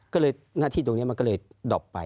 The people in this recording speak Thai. ก็เลยหน้าที่ตรงนี้มันก็เลยดอบไป